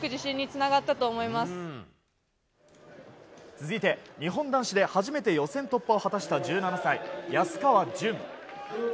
続いて、日本男子で初めて予選突破を果たした１７歳、安川潤。